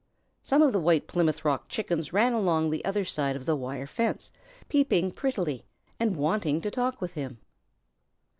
Some of the White Plymouth Rock Chickens ran along on the other side of the wire fence, peeping prettily and wanting to talk with him.